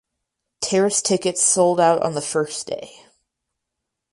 Terrace tickets sold out on the first day.